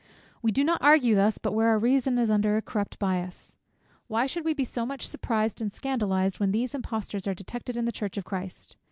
We do not argue thus but where our reason is under a corrupt bias. Why should we be so much surprised and scandalized, when these importers are detected in the church of Christ?